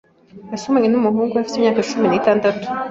yasomanye n’umuhungu afite imyaka cumi nitandatu